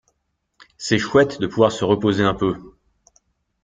C'est chouette de pouvoir se reposer un peu.